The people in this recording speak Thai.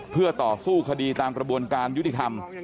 เพื่อต่อสู้คดีตามกระบวนการยุติธรรม